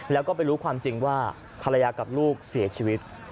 แล้วก็ไปรู้ความจริงว่าภรรยากับลูกเสียชีวิต